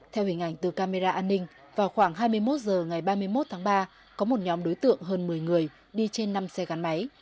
theo hình ảnh từ camera an ninh vào khoảng hai mươi một h ngày ba mươi một tháng ba có một nhóm đối tượng hơn một mươi người đi trên năm xe gắn máy